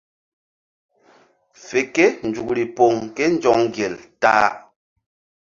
Fe ke nzukri poŋ ké nzɔŋ gel ta-a.